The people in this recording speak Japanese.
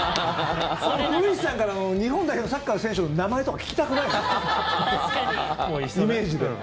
古市さんから日本代表のサッカーの選手の名前とか聞きたくないのよ。